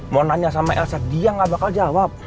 mau nanya sama elsa dia nggak bakal jawab